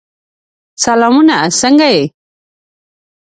سلامونه! څنګه یې؟